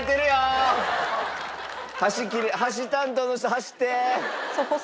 箸箸担当の人走って！